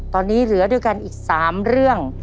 ตอนนี้เหลือด้วยกันอีก๓เรื่อง